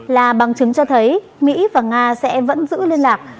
là bằng chứng cho thấy mỹ và nga sẽ vẫn giữ liên lạc